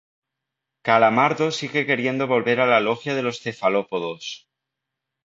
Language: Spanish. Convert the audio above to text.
Calamardo sigue queriendo volver a la Logia de los cefalópodos.